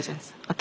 私？